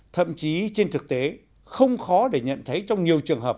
thậm chí trên thực tế không khó để nhận thấy trong nhiều trường hợp